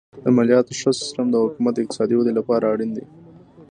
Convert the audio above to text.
د مالیاتو ښه سیستم د حکومت د اقتصادي ودې لپاره اړین دی.